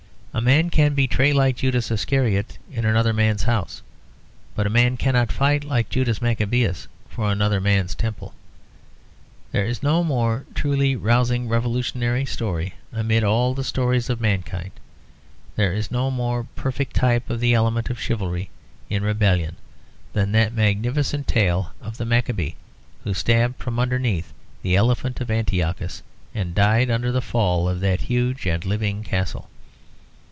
A man can betray like Judas Iscariot in another man's house; but a man cannot fight like Judas Maccabeus for another man's temple. There is no more truly rousing revolutionary story amid all the stories of mankind, there is no more perfect type of the element of chivalry in rebellion, than that magnificent tale of the Maccabee who stabbed from underneath the elephant of Antiochus and died under the fall of that huge and living castle.